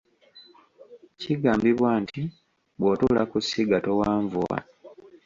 Kigambibwa nti bw'otuula ku ssiga towanvuwa.